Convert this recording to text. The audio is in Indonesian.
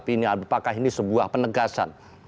ini apakah ini sebuah penegasan